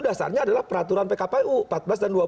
dasarnya adalah peraturan pkpu empat belas dan dua belas